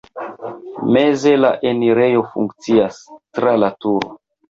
Meze la enirejo funkcias (tra la turo).